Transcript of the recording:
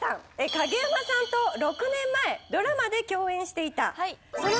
影山さんと６年前ドラマで共演していた。